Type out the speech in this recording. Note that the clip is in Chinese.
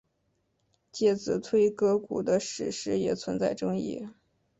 介子推割股的史实也存在争议。